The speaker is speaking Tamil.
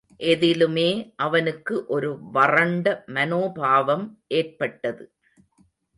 எதிலுமே அவனுக்கு ஒரு வறண்ட மனோபாவம் ஏற்பட்டது.